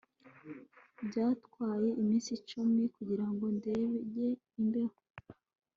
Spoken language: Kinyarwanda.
Byantwaye iminsi icumi kugirango ndenge imbeho